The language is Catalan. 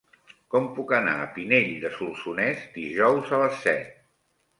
Com puc anar a Pinell de Solsonès dijous a les set?